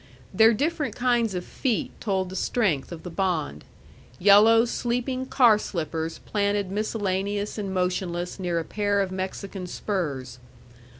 Their different kinds of feet told the strength of the bond yellow sleeping car slippers planted miscellaneous and motionless near a pair of Mexican spurs.